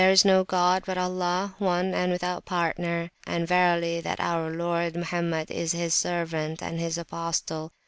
56] is no god but Allah, One and without Partner, and verily that our Lord Mohammed is His Servant and His Apostle!